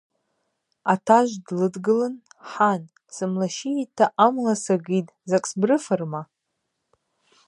Атажв длыдгылын, – Хӏан, сымлащийитӏта амла сагитӏ, закӏ сбрыфырма.